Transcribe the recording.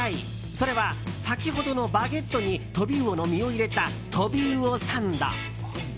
それは先ほどのバゲットにとび魚の身を入れたとび魚サンド。